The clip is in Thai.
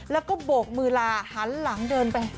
แล้วก็โบกมือลาหันหลังเดินไป